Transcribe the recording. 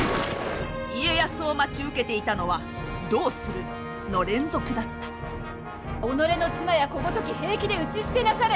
家康を待ち受けていたのは「どうする」の連続だった己の妻や子ごとき平気で打ち捨てなされ！